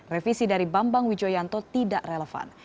revisi dari bambang wijoyanto tidak relevan